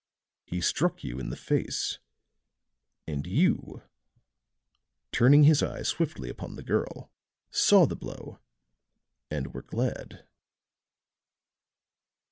"He struck you in the face; and you," turning his eyes swiftly upon the girl, "saw the blow and were glad."